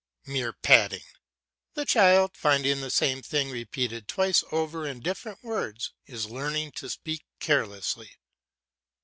Mere padding. The child, finding the same thing repeated twice over in different words, is learning to speak carelessly.